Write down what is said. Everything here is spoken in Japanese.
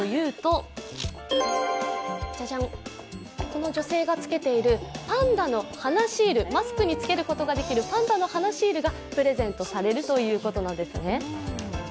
この女性がつけているパンダのマスクにつけることができる鼻シールがプレゼントされるということなんですね。